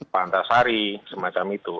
pak antarsari semacam itu